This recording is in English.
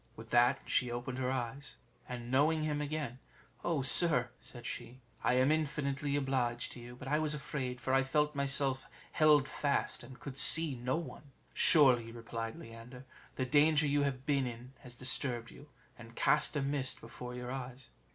With that she opened her eyes, and knowing him again, "Oh sir," said she, "I am infinitely obliged to you; but I was afraid, for I felt myself held fast, and could see no one." "Surely," replied Leander, "the danger you have been in has disturbed you, and cast a mist before your eyes."